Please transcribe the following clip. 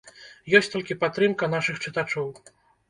Ёсць толькі падтрымка нашых чытачоў.